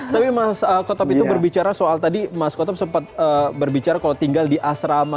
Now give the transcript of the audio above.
tapi mas kotop itu berbicara soal tadi mas kotop sempat berbicara kalau tinggal di asrama